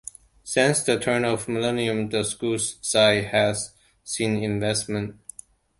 Since the turn of the millennium, the school's site has seen investment.